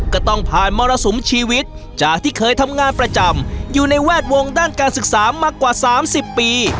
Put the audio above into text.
ก็ต้องผ่านมรสุมชีวิตจากที่เคยทำงานประจำอยู่ในแวดวงด้านการศึกษามากว่า๓๐ปี